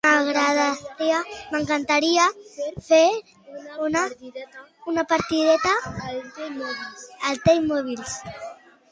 M'encantaria fer una partideta al "The movies".